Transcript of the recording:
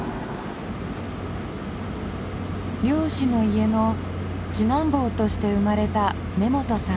漁師の家の次男坊として生まれた根本さん。